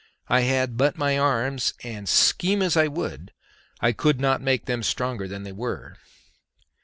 I had but my arms, and scheme as I would, I could not make them stronger than they were.